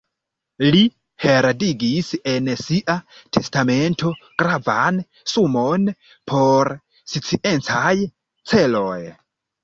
Li heredigis en sia testamento gravan sumon por sciencaj celoj.